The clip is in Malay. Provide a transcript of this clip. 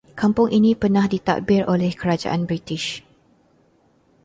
Kampung ini pernah ditadbir oleh kerajaan british